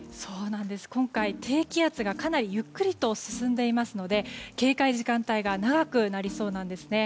今回、低気圧がかなりゆっくりと進んでいますので警戒時間帯が長くなりそうなんですね。